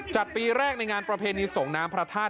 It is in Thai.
ปีแรกในงานประเพณีส่งน้ำพระธาตุ